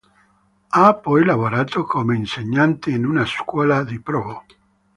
Ha poi lavorato come insegnante in una scuola di Provo.